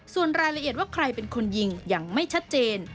ส่วนรายละเอียดว่าใครเป็นคนยิงยังไม่ชัดเจน